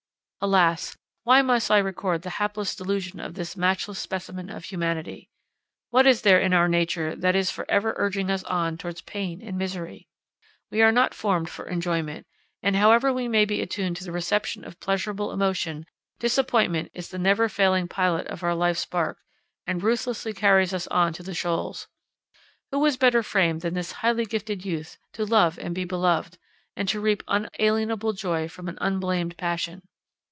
Alas! why must I record the hapless delusion of this matchless specimen of humanity? What is there in our nature that is for ever urging us on towards pain and misery? We are not formed for enjoyment; and, however we may be attuned to the reception of pleasureable emotion, disappointment is the never failing pilot of our life's bark, and ruthlessly carries us on to the shoals. Who was better framed than this highly gifted youth to love and be beloved, and to reap unalienable joy from an unblamed passion?